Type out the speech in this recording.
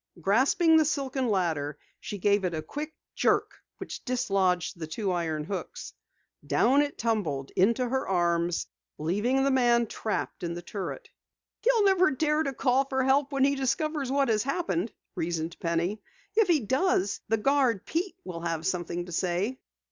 Grasping the silken ladder, she gave it a quick jerk which dislodged the two iron hooks. Down it tumbled into her arms, leaving the man trapped in the turret. "He'll never dare call for help when he discovers what has happened," reasoned Penny. "If he does, the guard, Pete, will have something to say!"